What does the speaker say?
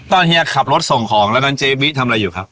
เฮียขับรถส่งของแล้วตอนนั้นเจ๊บิ๊ทำอะไรอยู่ครับ